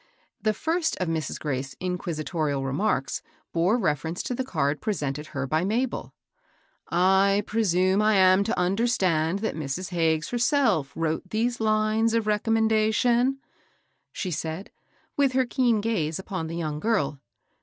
The first of Mrs. Graith's inquisitorial remarks bore reference to the card presented her by Mabel. I presume I am to understand that Mrs. Hag THE LADY PfeESIDENT. 359 ges herself wrote these lines of recommendation,'* she said, with her keen gaze upon the young girl.